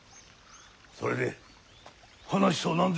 それで話とは何ぞや。